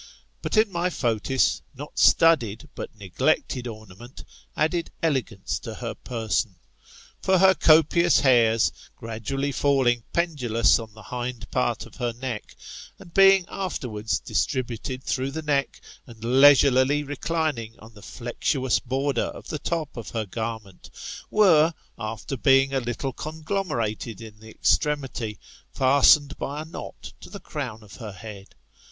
But in my Fotis, not studied, but neglected ornament, added elegance to her person. For her copious hairs, gradually falling pendulous on the hind part of her neck, and being afterwards distributed through the neck, and leisurely reclining on the flexuous border on the top of her garment, were, after being a little conglomerated in the extremity, fastened by a knot to the crown of her head.